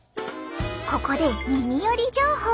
ここで耳より情報。